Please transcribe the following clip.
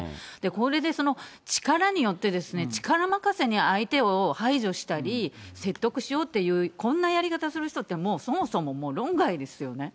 これで力によって、力任せに相手を排除したり、説得しようっていう、こんなやり方する人って、もうそもそも論外ですよね。